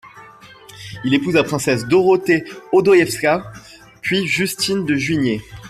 Il épouse la princesse Dorothée Odoïevska puis Justine de Juigné.